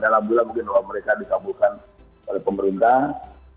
alhamdulillah mungkin mereka disambungkan oleh pemerintah